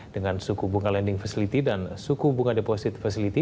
dengan suku bunga lending facility dan suku bunga deposit facility